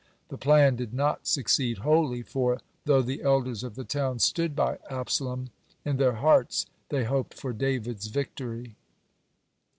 The plan did not succeed wholly, for, though the elders of the towns stood by Absalom, in their hearts they hoped for David's victory.